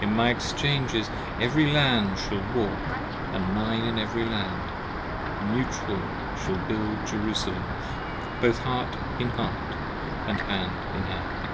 In my Exchanges every Land Shall walk, & mine in every Land, Mutual, shall build Jerusalem; 105 Both heart in heart & hand in hand.